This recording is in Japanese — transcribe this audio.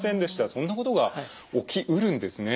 そんなことが起きうるんですね。